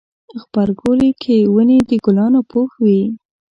غبرګولی کې ونې د ګلانو پوښ وي.